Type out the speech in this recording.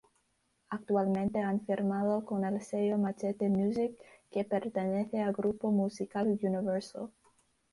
Actualmente han firmado con el sello Machete Music, que pertenece a grupo musical Universal.